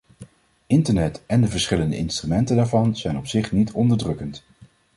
Internet en de verschillende instrumenten daarvan zijn op zich niet onderdrukkend.